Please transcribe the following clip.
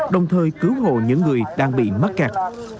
đồng thời cứu hộ những người đang bị mắc kẹt